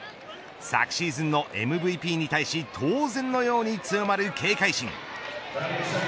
昨シーズンのＭＶＰに対し当然のように強まる警戒心。